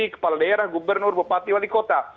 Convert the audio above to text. kepala daerah gubernur bupati wali kota